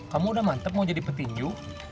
kamu udah mantep mau jadi petinju